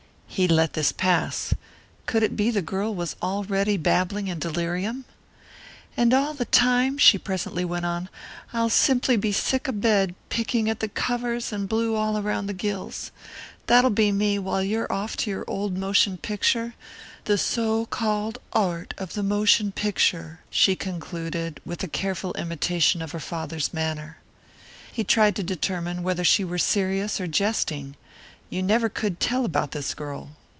He let this pass. Could it be that the girl was already babbling in delirium? "And all the time," she presently went on, "I'll simply be sick a bed, picking at the covers, all blue around the gills. That'll be me, while you're off to your old motion picture 'the so called art of the motion picture,'" she concluded with a careful imitation of her father's manner. He tried to determine whether she were serious or jesting. You never could tell about this girl.